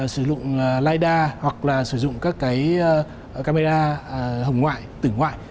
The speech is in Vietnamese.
sử dụng lidar hoặc là sử dụng các cái camera hồng ngoại tử ngoại